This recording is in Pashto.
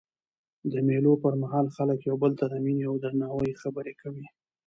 د مېلو پر مهال خلک یو بل ته د میني او درناوي خبري کوي.